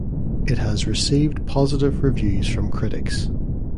It has received positive reviews from critics.